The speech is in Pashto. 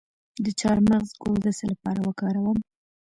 د چارمغز ګل د څه لپاره وکاروم؟